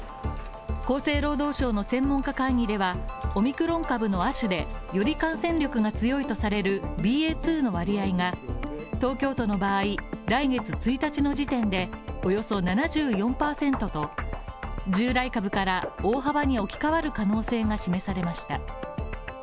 厚生労働省の専門家会議では、オミクロン株の亜種でより感染力が強いとされるＢＡ．２の割合が東京都の場合、来月１日の時点で、およそ７４％と従来株から大幅に置き換わる可能性が示されました。